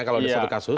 kalau ada satu kasus